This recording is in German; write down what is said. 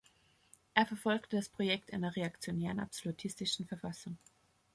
Er verfolgte das Projekt einer reaktionären, absolutistischen Verfassung.